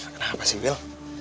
kenapa sih will